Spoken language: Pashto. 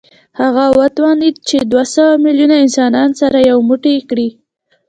هغه وتوانېد چې دوه سوه میلیونه انسانان سره یو موټی کړي